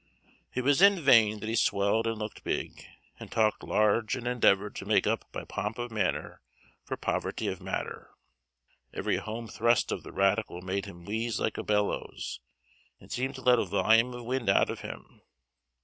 It was in vain that he swelled and looked big, and talked large, and endeavoured to make up by pomp of manner for poverty of matter; every home thrust of the radical made him wheeze like a bellows, and seemed to let a volume of wind out of him.